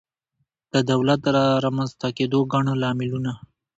د دولت د رامنځته کېدو ګڼ لاملونه